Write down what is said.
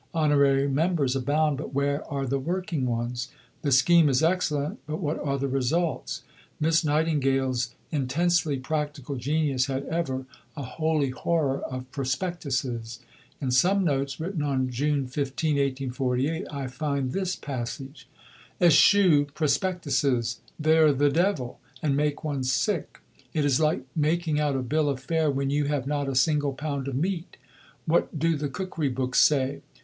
Honorary members abound, but where are the working ones? The scheme is excellent, but what are the results?" Miss Nightingale's intensely practical genius had ever a holy horror of prospectuses. In some notes written on June 15, 1848, I find this passage: Eschew Prospectuses; they're the devil, and make one sick. It is like making out a bill of fare when you have not a single pound of meat. What do the cookery books say?